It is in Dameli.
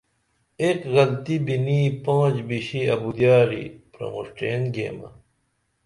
ایک غلطی بِنی پانش بِشی اُبدیاری پرمُݜٹین گیمہ